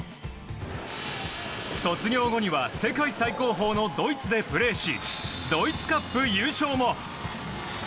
卒業後には世界最高峰のドイツでプレーしドイツカップ優勝も。